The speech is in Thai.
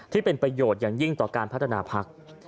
ที่เป็นประโยชน์อย่างยิ่งต่อการพัฒนาพัก